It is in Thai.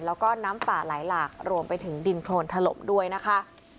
แล้วก็น้ำป่าไหลหลากรวมไปถึงดินโครนถล่มด้วยนะคะ